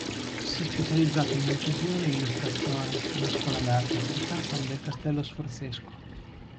Si è specializzata in Incisione e Illustrazione alla Scuola d'Arte Applicata del Castello Sforzesco.